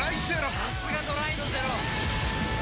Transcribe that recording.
さすがドライのゼロ！